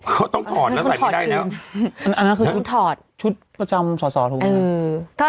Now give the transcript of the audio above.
เขาต้องถอดแล้วใส่ไม่ได้แล้วอันนั้นคือชุดถอดชุดประจำสอสอถูกไหมครับ